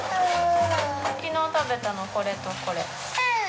昨日食べたのこれとこれ。